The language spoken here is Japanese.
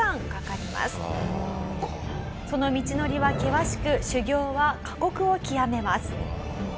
その道のりは険しく修行は過酷を極めます。